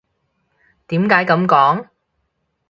點解噉講？